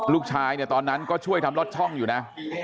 ลูกชายเนี่ยตอนนั้นก็ช่วยทำลอดช่องอยู่นะ